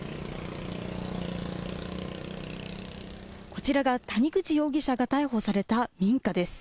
こちらが谷口容疑者が逮捕された民家です。